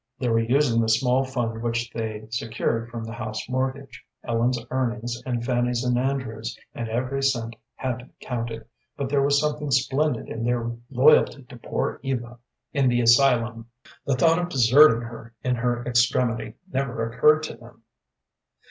They were using the small fund which they secured from the house mortgage, Ellen's earnings, and Fanny's and Andrew's, and every cent had to be counted, but there was something splendid in their loyalty to poor Eva in the asylum. The thought of deserting her in her extremity never occurred to them.